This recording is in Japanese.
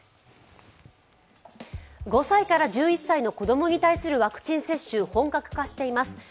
５歳から１１歳の子供に対するワクチン接種、本格化しています。